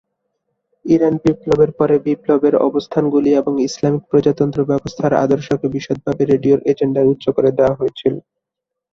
Iran বিপ্লবের পরে, বিপ্লবের অবস্থানগুলি এবং ইসলামিক প্রজাতন্ত্র ব্যবস্থার আদর্শকে বিশদভাবে রেডিওর এজেন্ডায় উচ্চ করে দেওয়া হয়েছিল।